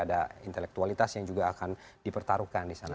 ada intelektualitas yang juga akan dipertaruhkan disana